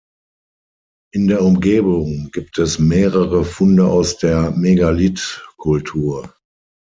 In der Umgebung gibt es mehrere Funde aus der Megalithkultur.